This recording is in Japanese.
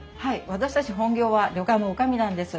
私たち本業は旅館の女将なんです。